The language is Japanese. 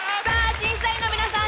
⁉審査員の皆さん